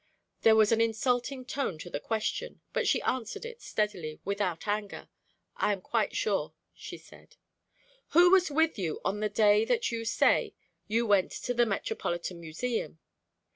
There was an insulting tone to the question, but she answered it steadily, without anger. "I am quite sure," she said. "Who was with you on the day that you say you went to the Metropolitan Museum?"